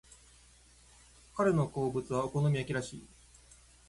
彼の好物はお好み焼きらしい。